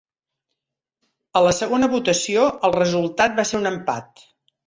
A la segona votació el resultat va ser un empat